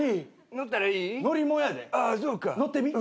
乗ってみ。